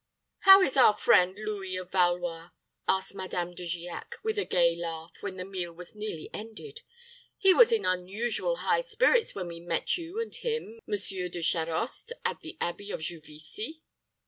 "How is our friend, Louis of Valois?" asked Madame De Giac, with a gay laugh, when the meal was nearly ended. "He was in unusual high spirits when we met you and him, Monsieur De Charost, at the Abbey of Juvisy."